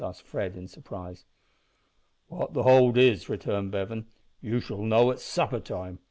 asked Fred, in surprise. "What the hold is," returned Bevan, "you shall know at supper time.